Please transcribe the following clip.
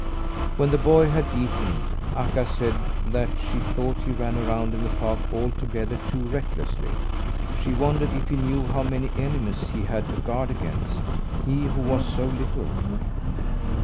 When the boy had eaten, Akka said that she thought he ran around in the park altogether too recklessly. She wondered if he knew how many enemies he had to guard against he, who was so little.